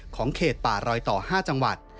เขตป่ารอยต่อ๕จังหวัด